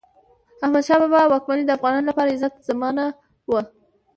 د احمدشاه بابا واکمني د افغانانو لپاره د عزت زمانه وه.